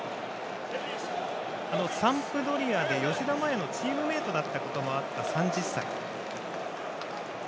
サンプドリアで吉田麻也のチームメートだったこともあった３０歳。